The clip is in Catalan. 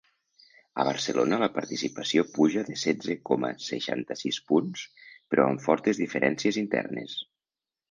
A Barcelona la participació puja de setze coma seixanta-sis punts però amb fortes diferències internes.